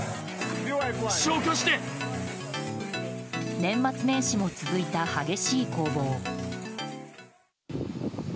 年末年始も続いた激しい攻防。